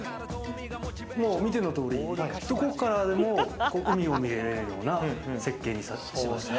見ての通り、どこからでも海が見えるような設計にしました。